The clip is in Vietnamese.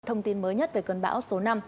thông tin mới nhất về cơn bão số năm